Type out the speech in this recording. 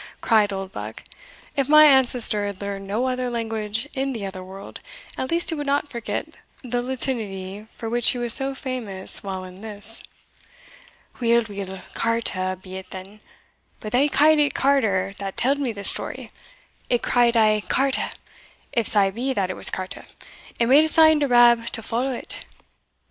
cried Oldbuck; "if my ancestor had learned no other language in the other world, at least he would not forget the Latinity for which he was so famous while in this." "Weel, weel, carta be it then, but they ca'd it carter that tell'd me the story. It cried aye carta, if sae be that it was carta, and made a sign to Rab to follow it.